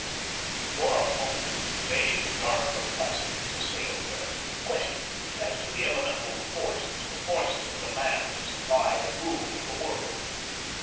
For a moment, vague, dark perplexities assailed her, questionings as to the elemental forces, the forces of demand and supply that ruled the world.